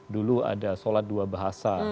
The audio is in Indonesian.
dulu ada sholat dua bahasa